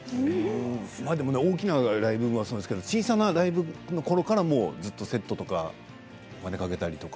大きなライブもそうですけど小さなライブのころからずっとセットとかお金をかけたりとか。